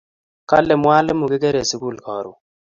Kale mwalimu kikere sukul karun